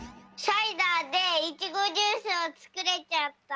サイダーでいちごジュースをつくれちゃった？